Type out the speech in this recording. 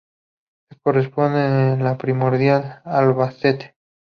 Se corresponde con la provincia de Albacete.